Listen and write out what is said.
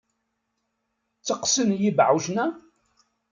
Tteqqsen yibeɛɛucen-a?